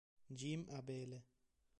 Jim Abele